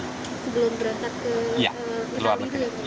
sebelum berantak ke luar negeri